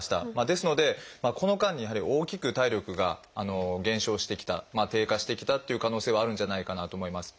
ですのでこの間にやはり大きく体力が減少してきた低下してきたっていう可能性はあるんじゃないかなと思います。